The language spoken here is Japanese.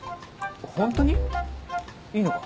ホントに？いいのか？